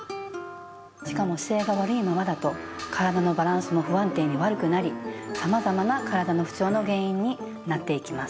しかも姿勢が悪いままだと体のバランスも不安定に悪くなり様々な体の不調の原因になっていきます。